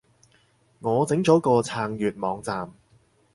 我整咗個撐粵網站